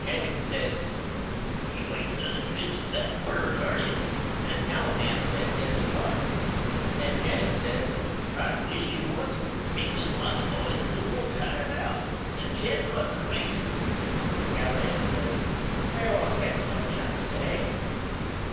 Jennings says You ain't going to pitch that bird are you? And Callahan said Yes he was. Then Jennings says I wish you wouldn't because my boys is all tired out and can't run the bases. Callahan says They won't get no chance to day.